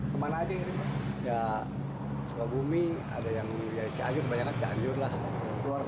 kalau hormat kalian tapi saya satu yang nailed ditabur tadi lalu